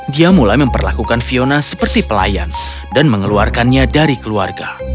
dia mulai memperlakukan fiona seperti pelayans dan mengeluarkannya dari keluarga